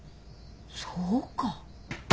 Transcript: そうか。